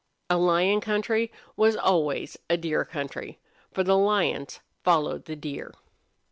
A lion country was always a deer country, for the lions followed the deer.